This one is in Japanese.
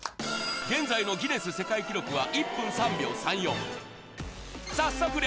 現在のギネス世界記録は１分３秒３４。